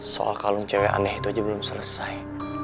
soal kalung cewek aneh itu aja belum selesai